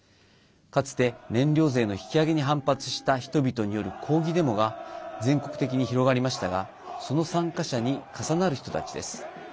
かつて、燃料税の引き上げに反発した人々による抗議デモが全国的に広がりましたがその参加者に重なる人たちです。